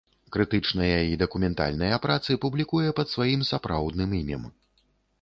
Крытычныя і дакументальныя працы публікуе пад сваім сапраўдным імем.